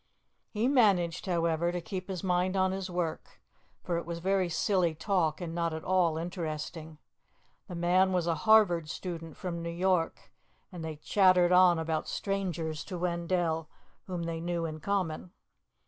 He managed, however, to keep his mind on his work, for it was very silly talk and not at all interesting. The man was a Harvard student from New York, and they chattered on about strangers to Wendell whom they knew in common.